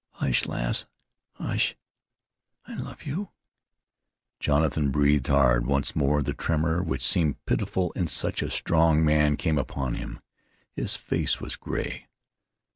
"Hush! lass, hush!" "I love you." Jonathan breathed hard; once more the tremor, which seemed pitiful in such a strong man, came upon him. His face was gray.